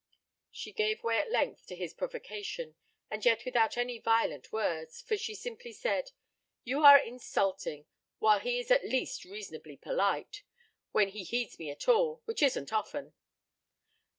She gave way at length to his provocation, and yet without any violent words, for she simply said: "You are insulting, while he is at least reasonably polite when he heeds me at all, which isn't often."